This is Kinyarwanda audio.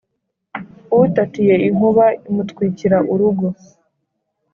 utatiye inkuba imutwikira urugo,